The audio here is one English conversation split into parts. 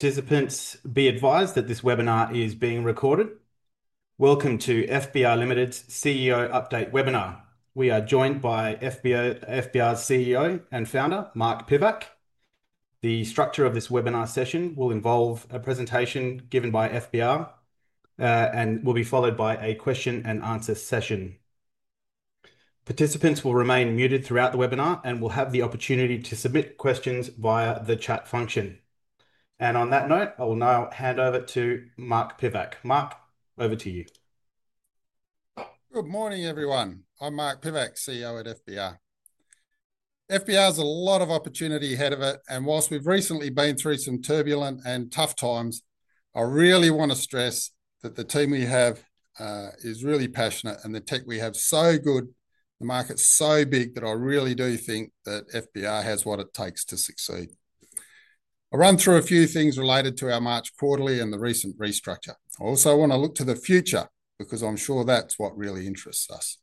Participants, be advised that this webinar is being recorded. Welcome to FBR Limited's CEO Update webinar. We are joined by FBR's CEO and founder, Mark Pivac. The structure of this webinar session will involve a presentation given by FBR, and will be followed by a question-and-answer session. Participants will remain muted throughout the webinar and will have the opportunity to submit questions via the chat function. On that note, I will now hand over to Mark Pivac. Mark, over to you. Good morning, everyone. I'm Mark Pivac, CEO at FBR. FBR has a lot of opportunity ahead of it, and whilst we've recently been through some turbulent and tough times, I really want to stress that the team we have is really passionate and the tech we have is so good, the market's so big that I really do think that FBR has what it takes to succeed. I'll run through a few things related to our March quarterly and the recent restructure. I also want to look to the future because I'm sure that's what really interests us.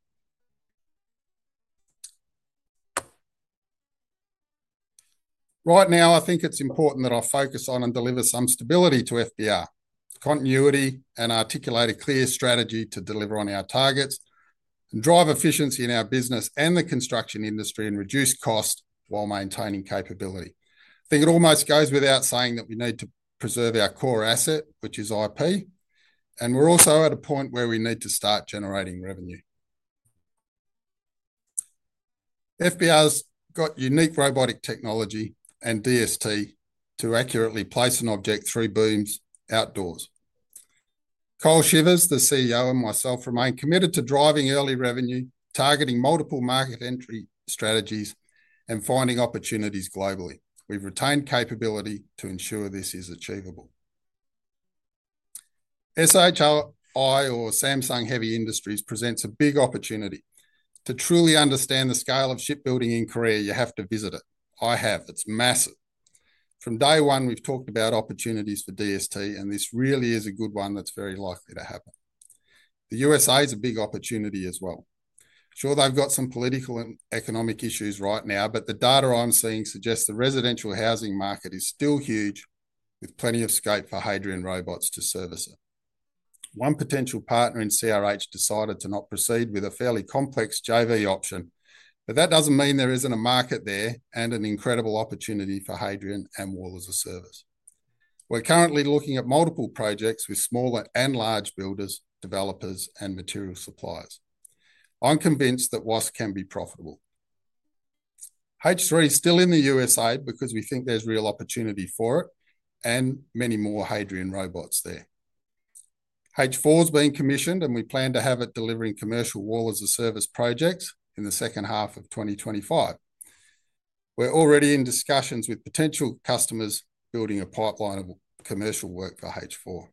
Right now, I think it's important that I focus on and deliver some stability to FBR, continuity, and articulate a clear strategy to deliver on our targets, and drive efficiency in our business and the construction industry, and reduce costs while maintaining capability. I think it almost goes without saying that we need to preserve our core asset, which is IP, and we're also at a point where we need to start generating revenue. FBR's got unique robotic technology and DST to accurately place an object through beams outdoors. Cole Shivers, the CEO, and myself remain committed to driving early revenue, targeting multiple market entry strategies, and finding opportunities globally. We've retained capability to ensure this is achievable. SHI, or Samsung Heavy Industries, presents a big opportunity. To truly understand the scale of shipbuilding in Korea, you have to visit it. I have. It's massive. From day one, we've talked about opportunities for DST, and this really is a good one that's very likely to happen. The USA is a big opportunity as well. Sure, they've got some political and economic issues right now, but the data I'm seeing suggests the residential housing market is still huge, with plenty of scope for Hadrian robots to service it. One potential partner in CRH decided to not proceed with a fairly complex JV option, but that doesn't mean there isn't a market there and an incredible opportunity for Hadrian and Wall as a Service. We're currently looking at multiple projects with smaller and large builders, developers, and material suppliers. I'm convinced that Wall as a Service can be profitable. H3 is still in the USA because we think there's real opportunity for it and many more Hadrian robots there. H4 has been commissioned, and we plan to have it delivering commercial Wall as a Service projects in the second half of 2025. We're already in discussions with potential customers building a pipeline of commercial work for H4.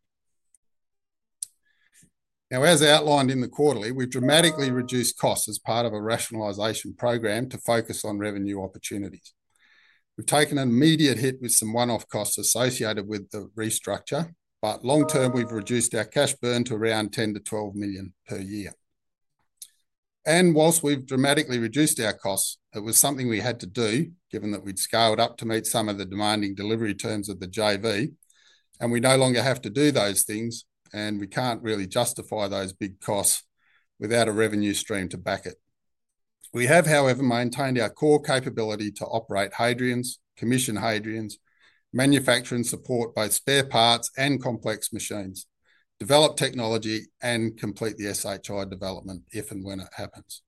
Now, as outlined in the quarterly, we've dramatically reduced costs as part of a rationalisation program to focus on revenue opportunities. We've taken an immediate hit with some one-off costs associated with the restructure, but long-term, we've reduced our cash burn to around $10 million-$12 million per year. Whilst we've dramatically reduced our costs, it was something we had to do given that we'd scaled up to meet some of the demanding delivery terms of the JV, and we no longer have to do those things, and we can't really justify those big costs without a revenue stream to back it. We have, however, maintained our core capability to operate Hadrians, commission Hadrians, manufacture and support both spare parts and complex machines, develop technology, and complete the SHI development if and when it happens,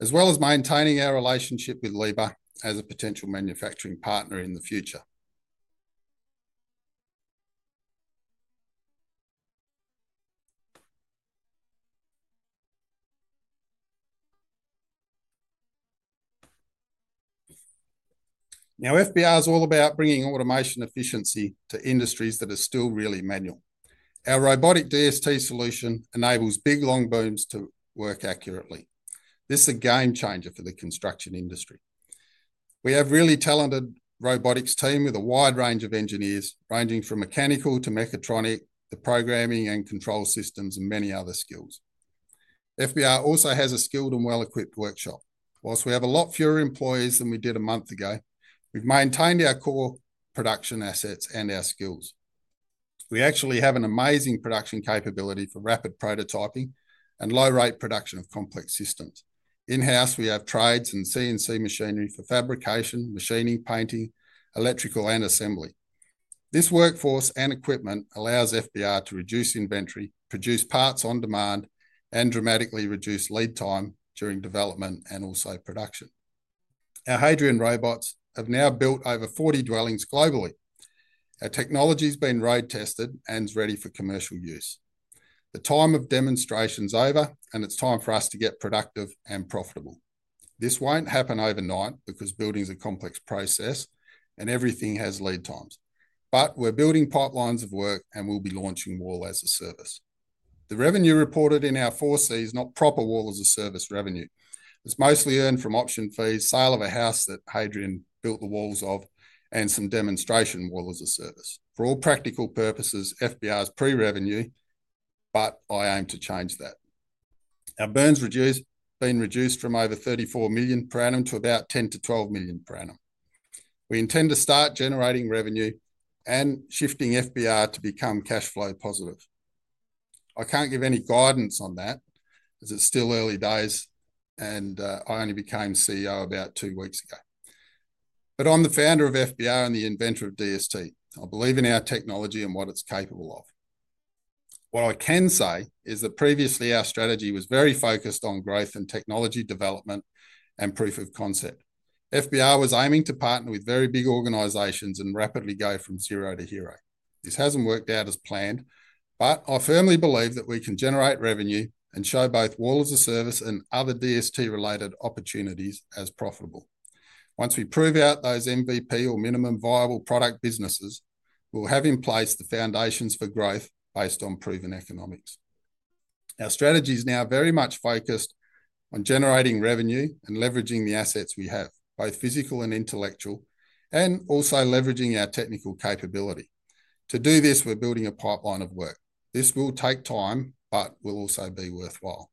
as well as maintaining our relationship with LEBA as a potential manufacturing partner in the future. Now, FBR is all about bringing automation efficiency to industries that are still really manual. Our robotic DST solution enables big long beams to work accurately. This is a game changer for the construction industry. We have a really talented robotics team with a wide range of engineers ranging from mechanical to mechatronic, the programming and control systems, and many other skills. FBR also has a skilled and well-equipped workshop. Whilst we have a lot fewer employees than we did a month ago, we've maintained our core production assets and our skills. We actually have an amazing production capability for rapid prototyping and low-rate production of complex systems. In-house, we have trades and CNC machinery for fabrication, machining, painting, electrical, and assembly. This workforce and equipment allows FBR to reduce inventory, produce parts on demand, and dramatically reduce lead time during development and also production. Our Hadrian robots have now built over 40 dwellings globally. Our technology has been road tested and is ready for commercial use. The time of demonstration is over, and it is time for us to get productive and profitable. This will not happen overnight because building is a complex process and everything has lead times, but we are building pipelines of work and we will be launching wall as a service. The revenue reported in our four C's is not proper wall as a service revenue. It's mostly earned from option fees, sale of a house that Hadrian built the walls of, and some demonstration wall as a service. For all practical purposes, FBR is pre-revenue, but I aim to change that. Our burns have been reduced from over $34 million per annum to about $10-$12 million per annum. We intend to start generating revenue and shifting FBR to become cash flow positive. I can't give any guidance on that as it's still early days, and I only became CEO about two weeks ago. I'm the founder of FBR and the inventor of DST. I believe in our technology and what it's capable of. What I can say is that previously our strategy was very focused on growth and technology development and proof of concept. FBR was aiming to partner with very big organisations and rapidly go from zero to hero. This has not worked out as planned, but I firmly believe that we can generate revenue and show both wall as a service and other DST-related opportunities as profitable. Once we prove out those MVP or minimum viable product businesses, we will have in place the foundations for growth based on proven economics. Our strategy is now very much focused on generating revenue and leveraging the assets we have, both physical and intellectual, and also leveraging our technical capability. To do this, we are building a pipeline of work. This will take time, but will also be worthwhile.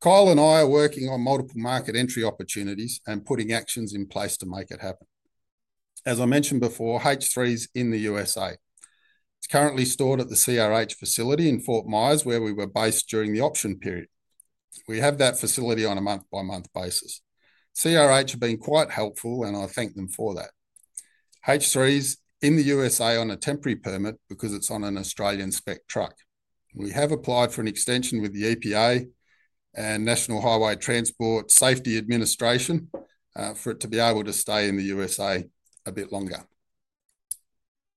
Cole and I are working on multiple market entry opportunities and putting actions in place to make it happen. As I mentioned before, H3 is in the USA. It is currently stored at the CRH facility in Fort Myers, where we were based during the option period. We have that facility on a month-by-month basis. CRH have been quite helpful, and I thank them for that. H3 is in the USA on a temporary permit because it's on an Australian spec truck. We have applied for an extension with the EPA and National Highway Transport Safety Administration for it to be able to stay in the USA a bit longer.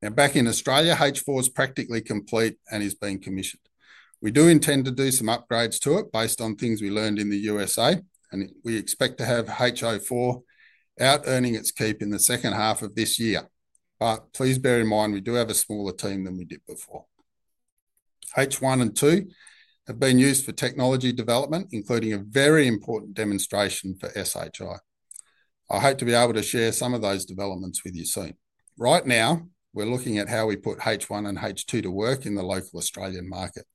Now, back in Australia, H4 is practically complete and is being commissioned. We do intend to do some upgrades to it based on things we learned in the USA, and we expect to have H4 out earning its keep in the second half of this year. Please bear in mind, we do have a smaller team than we did before. H1 and H2 have been used for technology development, including a very important demonstration for Samsung Heavy Industries. I hope to be able to share some of those developments with you soon. Right now, we're looking at how we put H1 and H2 to work in the local Australian market.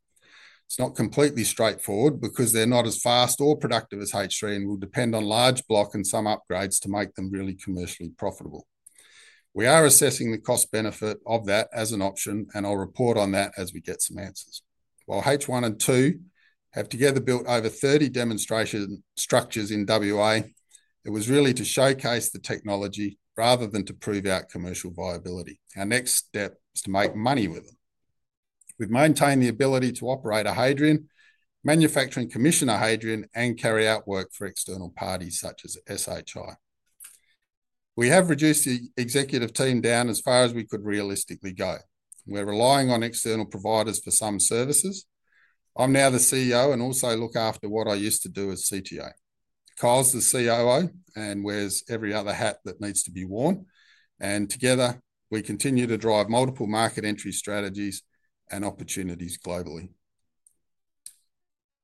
It's not completely straightforward because they're not as fast or productive as H3 and will depend on large block and some upgrades to make them really commercially profitable. We are assessing the cost-benefit of that as an option, and I'll report on that as we get some answers. While H1 and H2 have together built over 30 demonstration structures in WA, it was really to showcase the technology rather than to prove out commercial viability. Our next step is to make money with them. We've maintained the ability to operate a Hadrian, manufacture and commission a Hadrian, and carry out work for external parties such as SHI. We have reduced the executive team down as far as we could realistically go. We're relying on external providers for some services. I'm now the CEO and also look after what I used to do as CTO. Cole's the COO and wears every other hat that needs to be worn. Together, we continue to drive multiple market entry strategies and opportunities globally.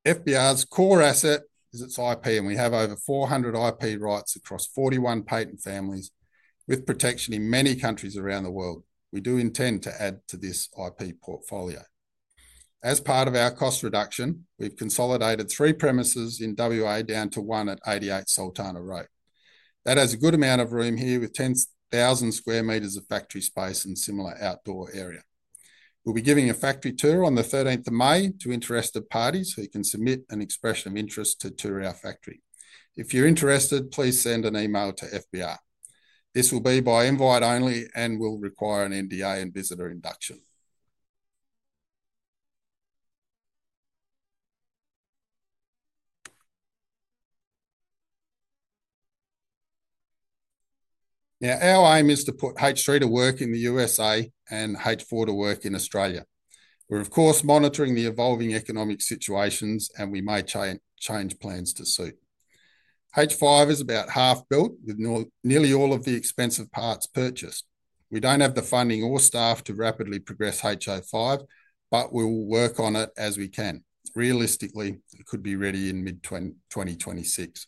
FBR's core asset is its IP, and we have over 400 IP rights across 41 patent families with protection in many countries around the world. We do intend to add to this IP portfolio. As part of our cost reduction, we've consolidated three premises in Western Australia down to one at 88 Sultana Road. That has a good amount of room here with 10,000 square metres of factory space and similar outdoor area. We'll be giving a factory tour on the 13th of May to interested parties who can submit an expression of interest to tour our factory. If you're interested, please send an email to FBR. This will be by invite only and will require an NDA and visitor induction. Now, our aim is to put H3 to work in the USA and H4 to work in Australia. We're, of course, monitoring the evolving economic situations, and we may change plans to suit. H5 is about half built with nearly all of the expensive parts purchased. We don't have the funding or staff to rapidly progress H5, but we will work on it as we can. Realistically, it could be ready in mid-2026.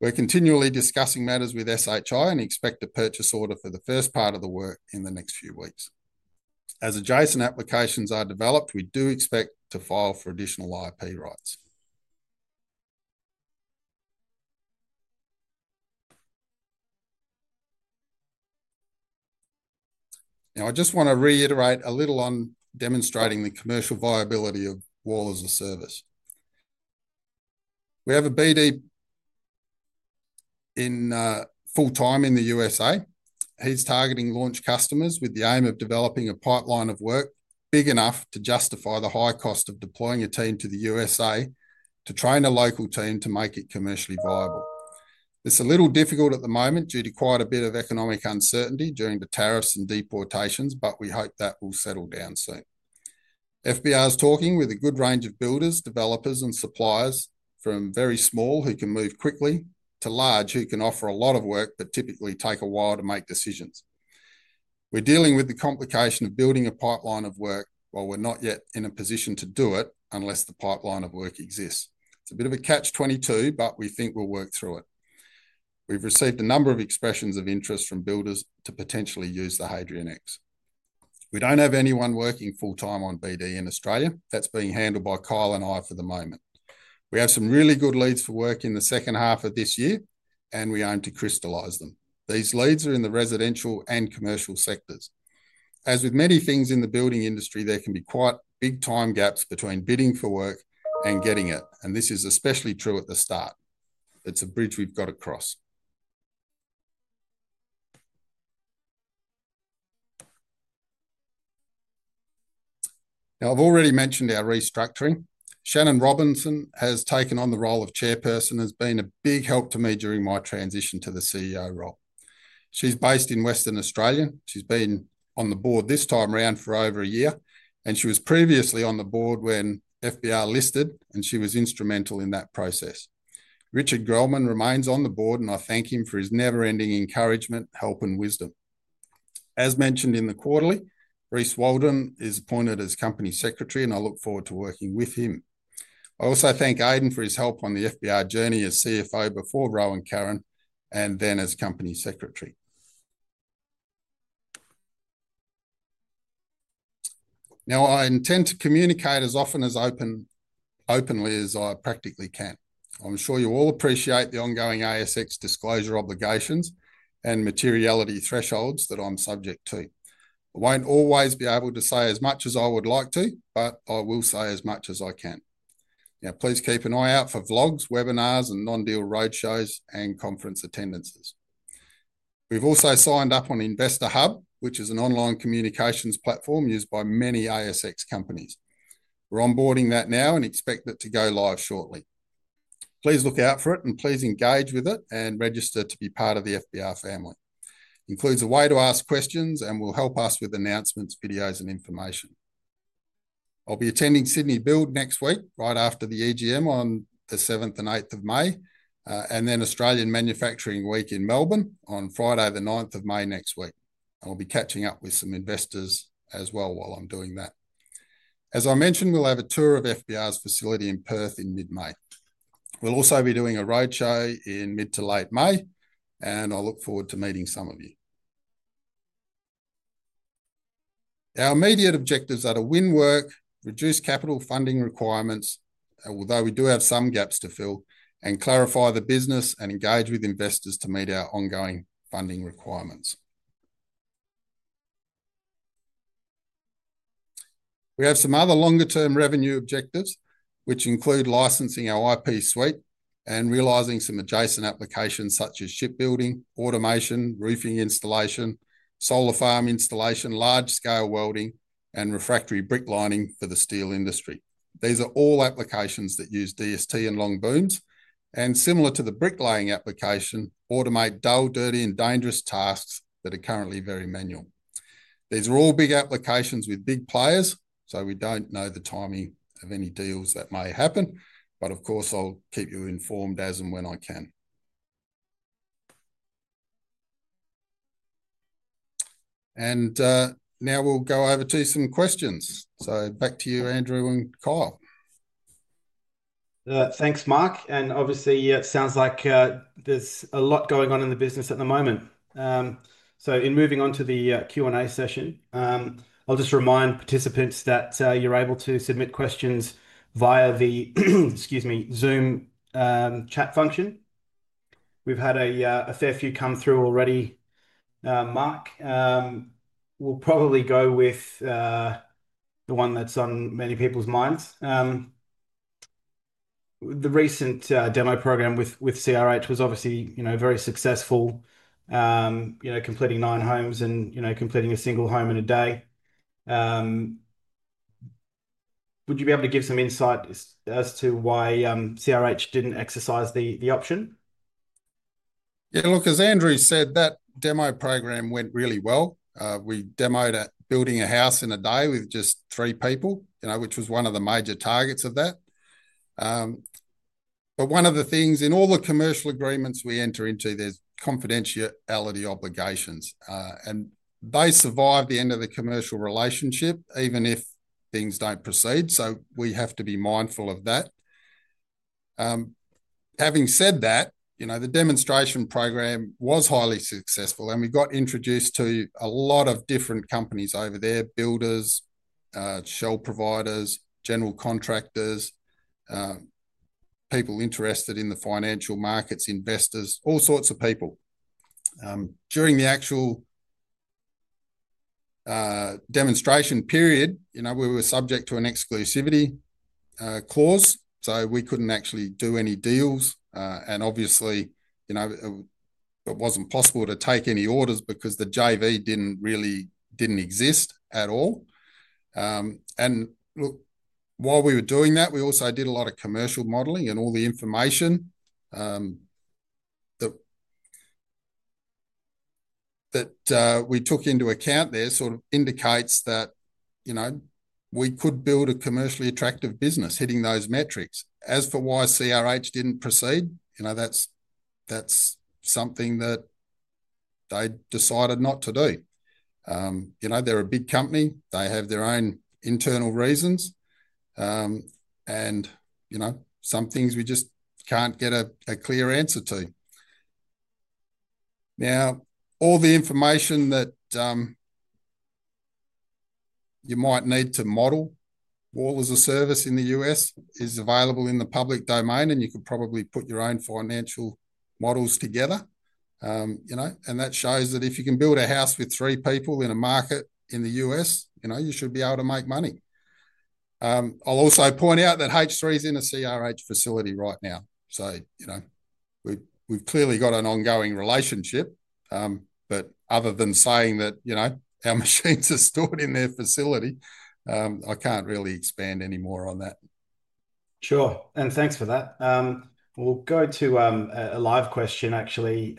We're continually discussing matters with Samsung Heavy Industries and expect a purchase order for the first part of the work in the next few weeks. As adjustments applications are developed, we do expect to file for additional IP rights. Now, I just want to reiterate a little on demonstrating the commercial viability of Wall as a Service. We have a Business Development in full time in the USA. He's targeting launch customers with the aim of developing a pipeline of work big enough to justify the high cost of deploying a team to the USA to train a local team to make it commercially viable. It's a little difficult at the moment due to quite a bit of economic uncertainty during the tariffs and deportations, but we hope that will settle down soon. FBR is talking with a good range of builders, developers, and suppliers from very small who can move quickly to large who can offer a lot of work but typically take a while to make decisions. We're dealing with the complication of building a pipeline of work while we're not yet in a position to do it unless the pipeline of work exists. It's a bit of a catch-22, but we think we'll work through it. We've received a number of expressions of interest from builders to potentially use the Hadrian X. We don't have anyone working full-time on BD in Australia. That's being handled by Cole and I for the moment. We have some really good leads for work in the second half of this year, and we aim to crystallize them. These leads are in the residential and commercial sectors. As with many things in the building industry, there can be quite big time gaps between bidding for work and getting it, and this is especially true at the start. It's a bridge we've got to cross. Now, I've already mentioned our restructuring. Shannon Robinson has taken on the role of Chairperson and has been a big help to me during my transition to the CEO role. She's based in Western Australia. She's been on the board this time around for over a year, and she was previously on the board when FBR listed, and she was instrumental in that process. Richard Grellman remains on the board, and I thank him for his never-ending encouragement, help, and wisdom. As mentioned in the quarterly, Reece Walden is appointed as Company Secretary, and I look forward to working with him. I also thank Aidan for his help on the FBR journey as CFO before Roe and Karen and then as Company Secretary. Now, I intend to communicate as often as openly as I practically can. I'm sure you all appreciate the ongoing ASX disclosure obligations and materiality thresholds that I'm subject to. I won't always be able to say as much as I would like to, but I will say as much as I can. Now, please keep an eye out for vlogs, webinars, and non-deal road shows and conference attendances. We've also signed up on Investor Hub, which is an online communications platform used by many ASX companies. We're onboarding that now and expect it to go live shortly. Please look out for it and please engage with it and register to be part of the FBR family. It includes a way to ask questions and will help us with announcements, videos, and information. I'll be attending Sydney Build next week right after the EGM on the 7th and 8th of May, and then Australian Manufacturing Week in Melbourne on Friday, the 9th of May next week. I'll be catching up with some investors as well while I'm doing that. As I mentioned, we'll have a tour of FBR's facility in Perth in mid-May. We'll also be doing a road show in mid to late May, and I look forward to meeting some of you. Our immediate objectives are to win work, reduce capital funding requirements, although we do have some gaps to fill, and clarify the business and engage with investors to meet our ongoing funding requirements. We have some other longer-term revenue objectives, which include licensing our IP suite and realising some adjacent applications such as shipbuilding, automation, roofing installation, solar farm installation, large-scale welding, and refractory brick lining for the steel industry. These are all applications that use DST and long booms and, similar to the brick laying application, automate dull, dirty, and dangerous tasks that are currently very manual. These are all big applications with big players, so we don't know the timing of any deals that may happen, but of course, I'll keep you informed as and when I can. Now we'll go over to some questions. Back to you, Andrew and Cole. Thanks, Mark. Obviously, it sounds like there's a lot going on in the business at the moment. In moving on to the Q&A session, I'll just remind participants that you're able to submit questions via the, excuse me, Zoom chat function. We've had a fair few come through already. Mark, we'll probably go with the one that's on many people's minds. The recent demo program with CRH was obviously very successful, completing nine homes and completing a single home in a day. Would you be able to give some insight as to why CRH didn't exercise the option? Yeah, look, as Andrew said, that demo program went really well. We demoed building a house in a day with just three people, which was one of the major targets of that. One of the things in all the commercial agreements we enter into, there's confidentiality obligations, and they survive the end of the commercial relationship even if things don't proceed. We have to be mindful of that. Having said that, the demonstration program was highly successful, and we got introduced to a lot of different companies over there: builders, shell providers, general contractors, people interested in the financial markets, investors, all sorts of people. During the actual demonstration period, we were subject to an exclusivity clause, so we couldn't actually do any deals. Obviously, it wasn't possible to take any orders because the JV didn't exist at all. Look, while we were doing that, we also did a lot of commercial modelling and all the information that we took into account there sort of indicates that we could build a commercially attractive business hitting those metrics. As for why CRH did not proceed, that is something that they decided not to do. They are a big company. They have their own internal reasons. Some things we just cannot get a clear answer to. Now, all the information that you might need to model wall as a service in the US is available in the public domain, and you could probably put your own financial models together. That shows that if you can build a house with three people in a market in the US, you should be able to make money. I will also point out that H3 is in a CRH facility right now. We have clearly got an ongoing relationship, but other than saying that our machines are stored in their facility, I can't really expand any more on that. Sure. Thanks for that. We'll go to a live question, actually.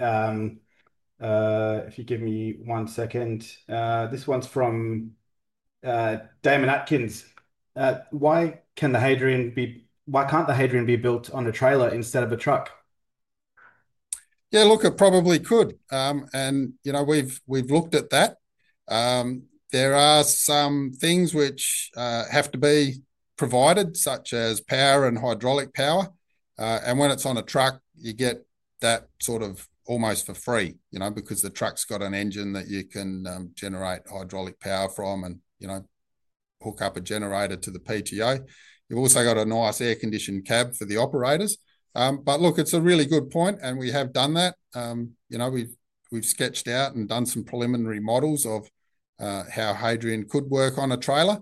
If you give me one second. This one's from Damon Atkins. Why can't the Hadrian be built on a trailer instead of a truck? Yeah, look, it probably could. We have looked at that. There are some things which have to be provided, such as power and hydraulic power. When it's on a truck, you get that sort of almost for free because the truck's got an engine that you can generate hydraulic power from and hook up a generator to the PTO. You've also got a nice air-conditioned cab for the operators. Look, it's a really good point, and we have done that. We've sketched out and done some preliminary models of how Hadrian could work on a trailer.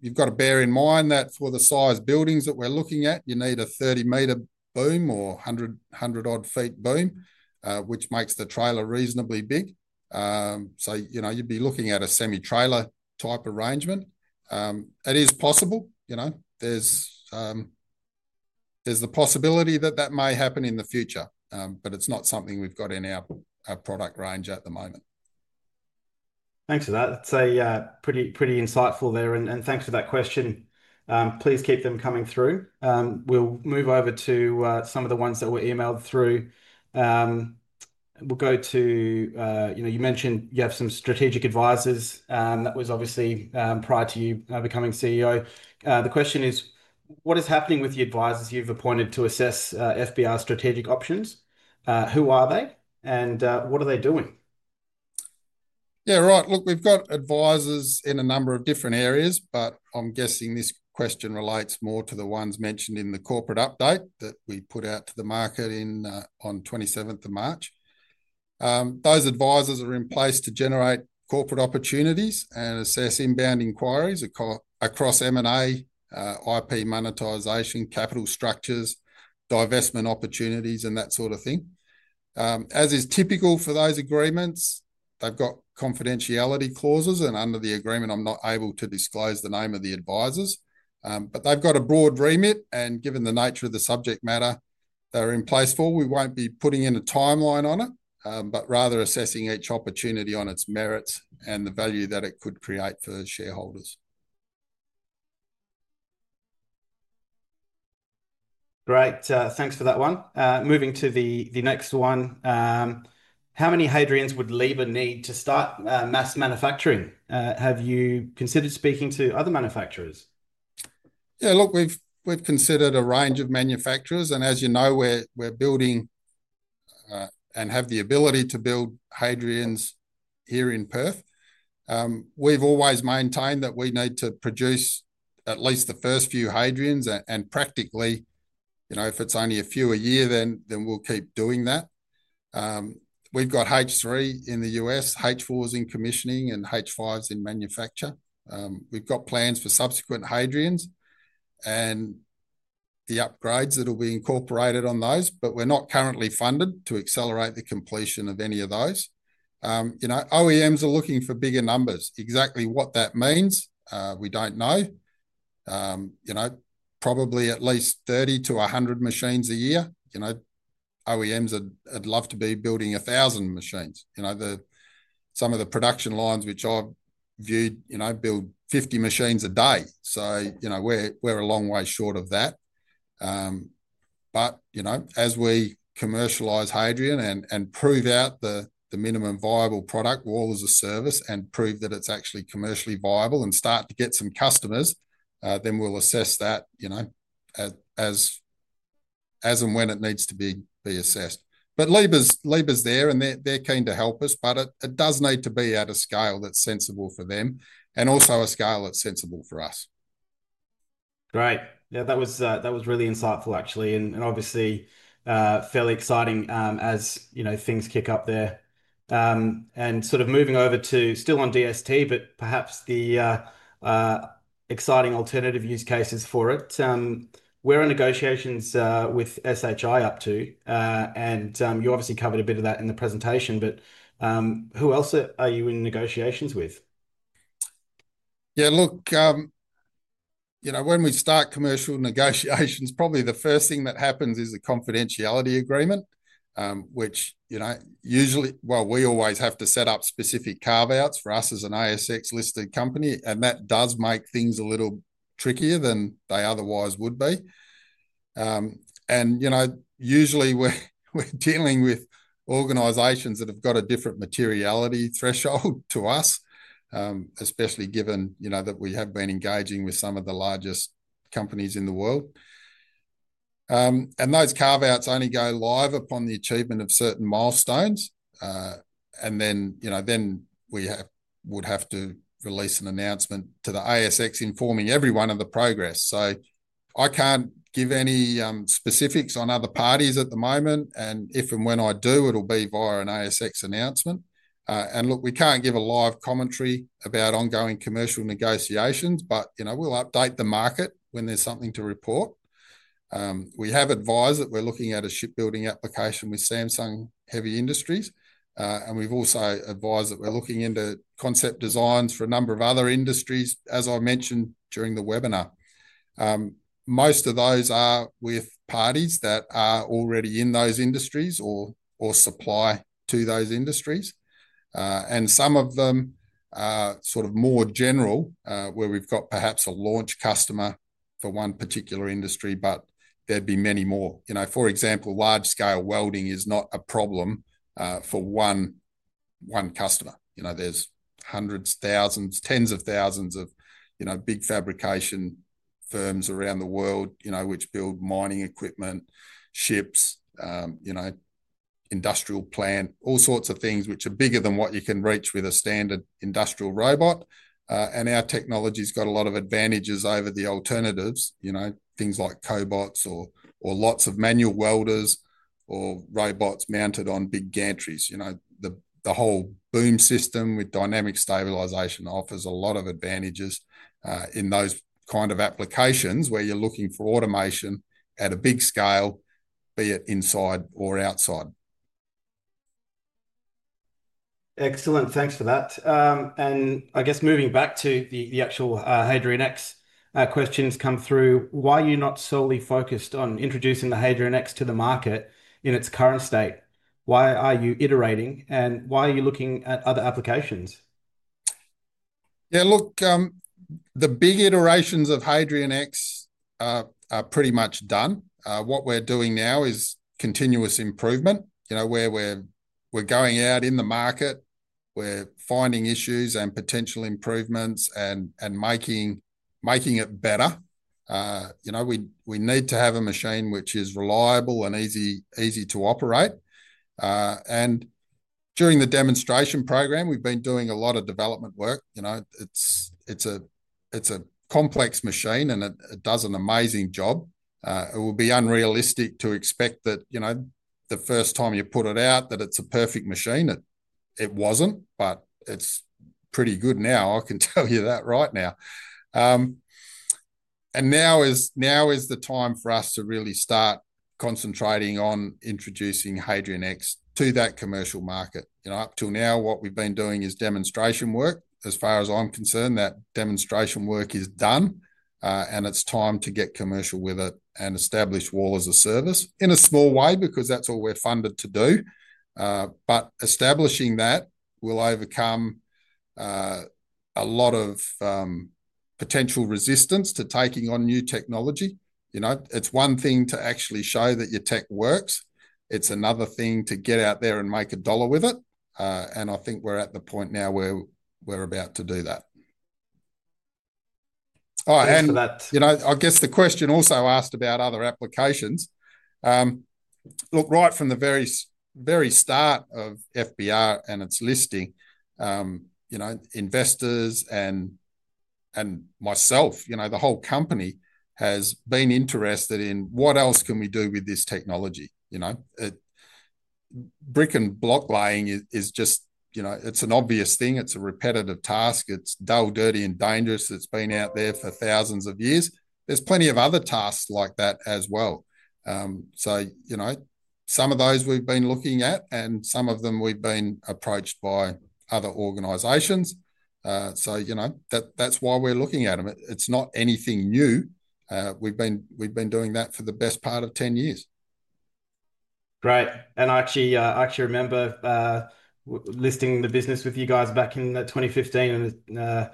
You've got to bear in mind that for the size buildings that we're looking at, you need a 30-metre boom or 100-odd-feet boom, which makes the trailer reasonably big. You'd be looking at a semi-trailer type arrangement. It is possible. There's the possibility that that may happen in the future, but it's not something we've got in our product range at the moment. Thanks for that. That's pretty insightful there. Thanks for that question. Please keep them coming through. We'll move over to some of the ones that were emailed through. We'll go to—you mentioned you have some strategic advisors. That was obviously prior to you becoming CEO. The question is, what is happening with the advisors you've appointed to assess FBR strategic options? Who are they, and what are they doing? Yeah, right. Look, we've got advisors in a number of different areas, but I'm guessing this question relates more to the ones mentioned in the corporate update that we put out to the market on 27th of March. Those advisors are in place to generate corporate opportunities and assess inbound inquiries across M&A, IP monetization, capital structures, divestment opportunities, and that sort of thing. As is typical for those agreements, they've got confidentiality clauses, and under the agreement, I'm not able to disclose the name of the advisors. They've got a broad remit, and given the nature of the subject matter they're in place for, we won't be putting in a timeline on it, but rather assessing each opportunity on its merits and the value that it could create for shareholders. Great. Thanks for that one. Moving to the next one. How many Hadrians would Labor need to start mass manufacturing? Have you considered speaking to other manufacturers? Yeah, look, we've considered a range of manufacturers, and as you know, we're building and have the ability to build Hadrians here in Perth. We've always maintained that we need to produce at least the first few Hadrians, and practically, if it's only a few a year, then we'll keep doing that. We've got H3 in the US. H4 is in commissioning, and H5 is in manufacture. We've got plans for subsequent Hadrians and the upgrades that will be incorporated on those, but we're not currently funded to accelerate the completion of any of those. OEMs are looking for bigger numbers. Exactly what that means, we don't know. Probably at least 30-100 machines a year. OEMs would love to be building 1,000 machines. Some of the production lines, which I've viewed, build 50 machines a day. We are a long way short of that. As we commercialise Hadrian and prove out the minimum viable product, wall as a service, and prove that it's actually commercially viable and start to get some customers, then we'll assess that as and when it needs to be assessed. Labour is there, and they're keen to help us, but it does need to be at a scale that's sensible for them and also a scale that's sensible for us. Great. Yeah, that was really insightful, actually, and obviously fairly exciting as things kick up there. Sort of moving over to still on DST, but perhaps the exciting alternative use cases for it. We're in negotiations with SHI up to, and you obviously covered a bit of that in the presentation, but who else are you in negotiations with? Yeah, look, when we start commercial negotiations, probably the first thing that happens is the confidentiality agreement, which usually—well, we always have to set up specific carve-outs for us as an ASX-listed company, and that does make things a little trickier than they otherwise would be. Usually, we're dealing with organizations that have got a different materiality threshold to us, especially given that we have been engaging with some of the largest companies in the world. Those carve-outs only go live upon the achievement of certain milestones, and then we would have to release an announcement to the ASX informing everyone of the progress. I can't give any specifics on other parties at the moment, and if and when I do, it'll be via an ASX announcement. We can't give a live commentary about ongoing commercial negotiations, but we'll update the market when there's something to report. We have advised that we're looking at a shipbuilding application with Samsung Heavy Industries, and we've also advised that we're looking into concept designs for a number of other industries, as I mentioned during the webinar. Most of those are with parties that are already in those industries or supply to those industries. Some of them are sort of more general, where we've got perhaps a launch customer for one particular industry, but there'd be many more. For example, large-scale welding is not a problem for one customer. There's hundreds, thousands, tens of thousands of big fabrication firms around the world which build mining equipment, ships, industrial plants, all sorts of things which are bigger than what you can reach with a standard industrial robot. Our technology's got a lot of advantages over the alternatives, things like cobots or lots of manual welders or robots mounted on big gantries. The whole boom system with dynamic stabilisation offers a lot of advantages in those kind of applications where you're looking for automation at a big scale, be it inside or outside. Excellent. Thanks for that. I guess moving back to the actual Hadrian X questions come through, why are you not solely focused on introducing the Hadrian X to the market in its current state? Why are you iterating, and why are you looking at other applications? Yeah, look, the big iterations of Hadrian X are pretty much done. What we're doing now is continuous improvement, where we're going out in the market, we're finding issues and potential improvements and making it better. We need to have a machine which is reliable and easy to operate. During the demonstration program, we've been doing a lot of development work. It's a complex machine, and it does an amazing job. It would be unrealistic to expect that the first time you put it out, that it's a perfect machine. It wasn't, but it's pretty good now. I can tell you that right now. Now is the time for us to really start concentrating on introducing Hadrian X to that commercial market. Up till now, what we've been doing is demonstration work. As far as I'm concerned, that demonstration work is done, and it's time to get commercial with it and establish wall as a service in a small way because that's all we're funded to do. Establishing that will overcome a lot of potential resistance to taking on new technology. It's one thing to actually show that your tech works. It's another thing to get out there and make a dollar with it. I think we're at the point now where we're about to do that. All right. I guess the question also asked about other applications. Look, right from the very start of FBR and its listing, investors and myself, the whole company has been interested in what else can we do with this technology. Brick and block laying is just—it's an obvious thing. It's a repetitive task. It's dull, dirty, and dangerous. It's been out there for thousands of years. There's plenty of other tasks like that as well. Some of those we've been looking at, and some of them we've been approached by other organizations. That's why we're looking at them. It's not anything new. We've been doing that for the best part of 10 years. Great. I actually remember listing the business with you guys back in 2015 and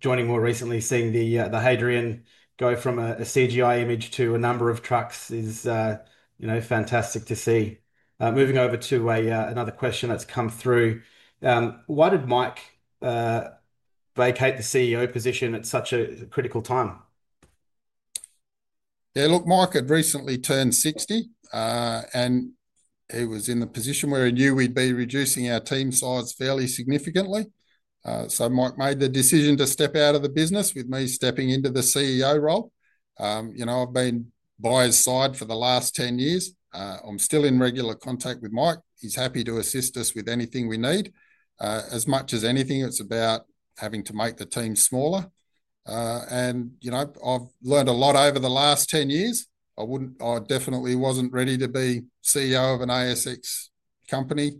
joining more recently, seeing the Hadrian go from a CGI image to a number of trucks is fantastic to see. Moving over to another question that's come through. Why did Mike vacate the CEO position at such a critical time? Yeah, look, Mike had recently turned 60, and he was in the position where he knew we'd be reducing our team size fairly significantly. Mike made the decision to step out of the business with me stepping into the CEO role. I've been by his side for the last 10 years. I'm still in regular contact with Mike. He's happy to assist us with anything we need. As much as anything, it's about having to make the team smaller. And I've learned a lot over the last 10 years. I definitely wasn't ready to be CEO of an ASX company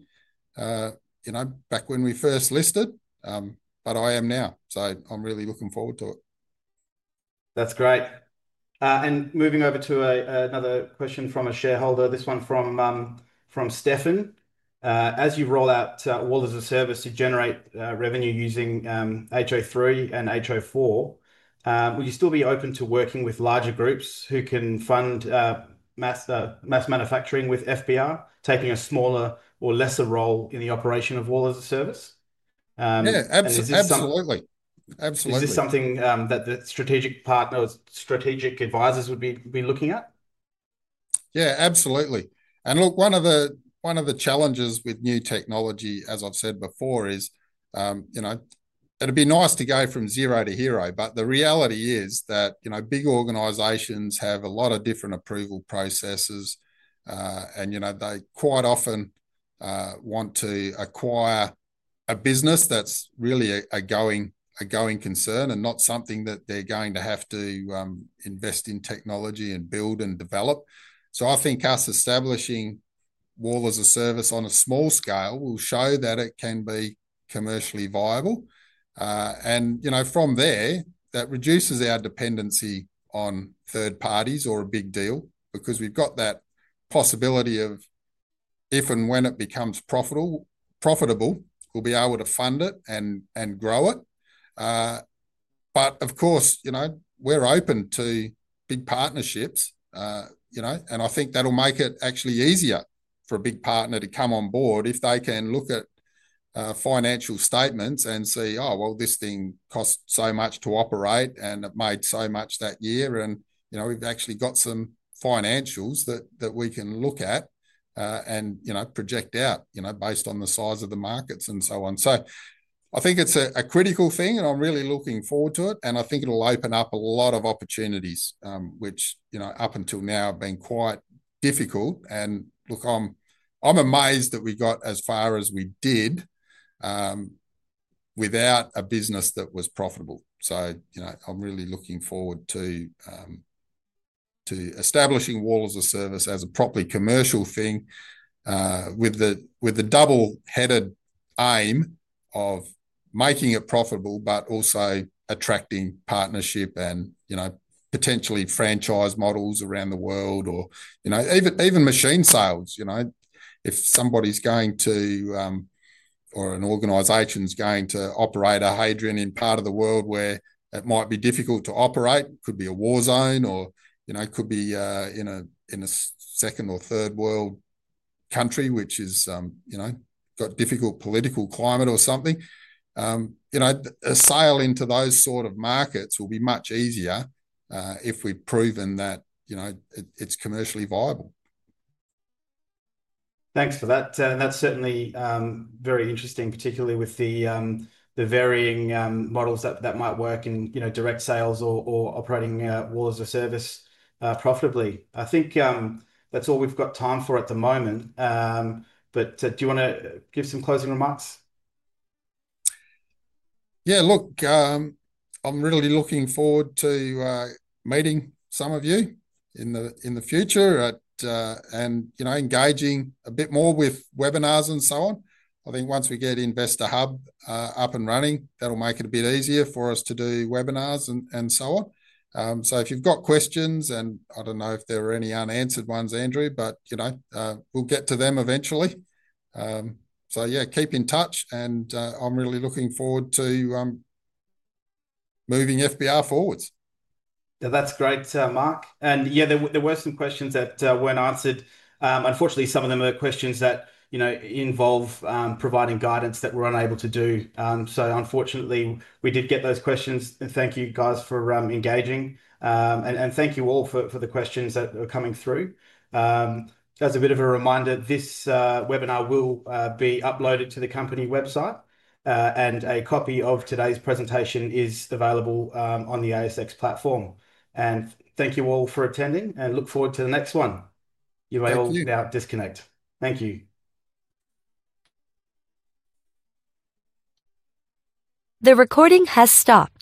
back when we first listed, but I am now. I'm really looking forward to it. That's great. Moving over to another question from a shareholder, this one from Stephen. As you roll out wall as a service to generate revenue using H3 and H4, will you still be open to working with larger groups who can fund mass manufacturing with FBR, taking a smaller or lesser role in the operation of wall as a service? Yeah, absolutely. Absolutely. Is this something that the strategic advisors would be looking at? Yeah, absolutely. One of the challenges with new technology, as I've said before, is it'd be nice to go from zero to hero, but the reality is that big organizations have a lot of different approval processes, and they quite often want to acquire a business that's really a going concern and not something that they're going to have to invest in technology and build and develop. I think us establishing wall as a service on a small scale will show that it can be commercially viable. From there, that reduces our dependency on third parties or a big deal because we've got that possibility of if and when it becomes profitable, we'll be able to fund it and grow it. Of course, we're open to big partnerships, and I think that'll make it actually easier for a big partner to come on board if they can look at financial statements and see, "Oh, well, this thing costs so much to operate, and it made so much that year, and we've actually got some financials that we can look at and project out based on the size of the markets and so on." I think it's a critical thing, and I'm really looking forward to it, and I think it'll open up a lot of opportunities, which up until now have been quite difficult. Look, I'm amazed that we got as far as we did without a business that was profitable. I'm really looking forward to establishing Wall as a Service as a properly commercial thing with the double-headed aim of making it profitable but also attracting partnership and potentially franchise models around the world or even machine sales. If somebody's going to or an organization's going to operate a Hadrian in part of the world where it might be difficult to operate, it could be a war zone, or it could be in a second or third world country which has got difficult political climate or something, a sale into those sort of markets will be much easier if we've proven that it's commercially viable. Thanks for that. That's certainly very interesting, particularly with the varying models that might work in direct sales or operating Wall as a Service profitably. I think that's all we've got time for at the moment, but do you want to give some closing remarks? Yeah, look, I'm really looking forward to meeting some of you in the future and engaging a bit more with webinars and so on. I think once we get Investor Hub up and running, that'll make it a bit easier for us to do webinars and so on. If you've got questions, and I don't know if there are any unanswered ones, Andrew, but we'll get to them eventually. Yeah, keep in touch, and I'm really looking forward to moving FBR forwards. Yeah, that's great, Mark. Yeah, there were some questions that weren't answered. Unfortunately, some of them are questions that involve providing guidance that we're unable to do. Unfortunately, we did get those questions, and thank you guys for engaging, and thank you all for the questions that are coming through. As a bit of a reminder, this webinar will be uploaded to the company website, and a copy of today's presentation is available on the ASX platform. Thank you all for attending, and look forward to the next one. You may all be without disconnect. Thank you. The recording has stopped.